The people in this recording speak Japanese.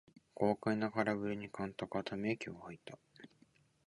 豪快な空振りに監督はため息をはいた